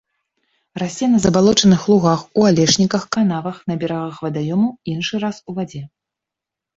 Расце на забалочаных лугах, у алешніках, канавах, на берагах вадаёмаў, іншы раз у вадзе.